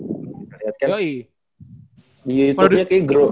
di youtube nya kayaknya growth